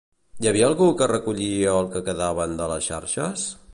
Hi havia algú que recollia el que quedaven de les xarxes?